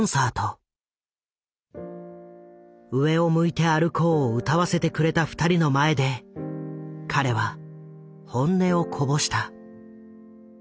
「上を向いて歩こう」を歌わせてくれた二人の前で彼は本音をこぼした。